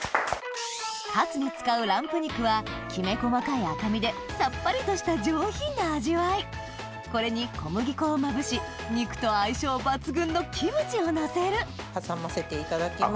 カツに使うランプ肉はきめ細かい赤身でこれに小麦粉をまぶし肉と相性抜群のキムチをのせる挟ませていただきます。